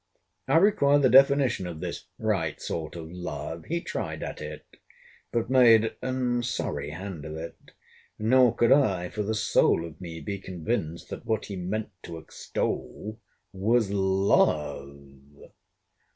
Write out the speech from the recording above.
I required a definition of this right sort of love, he tried at it: but made a sorry hand of it: nor could I, for the soul of me, be convinced, that what he meant to extol was LOVE.